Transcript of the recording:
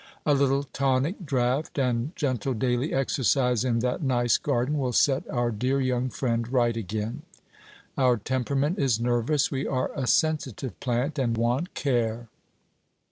A little tonic draught, and gentle daily exercise in that nice garden, will set our dear young friend right again. Our temperament is nervous we are a sensitive plant, and want care."